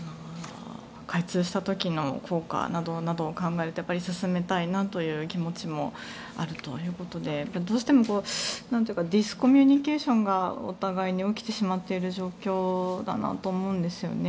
開通した時の効果などを考えると進めたいなという気持ちもあるということでどうしてもディスコミュニケーションがお互いに起きてしまっている状況だと思うんですよね。